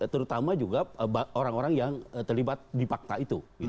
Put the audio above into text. terutama juga orang orang yang terlibat di fakta itu